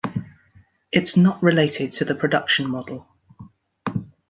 It's not related to the production model.